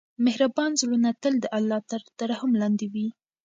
مهربان زړونه تل د الله تر رحم لاندې وي.